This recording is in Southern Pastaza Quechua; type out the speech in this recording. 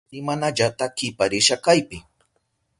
Shuk simanallata kiparisha kaypi.